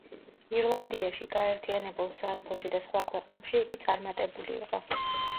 ირლანდიაში, გაერთიანებულ სამეფოში და სხვა ქვეყნებში იგი წარმატებული იყო.